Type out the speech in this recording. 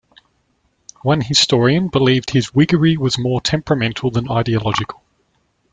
One historian believed his whiggery was more temperamental than ideological.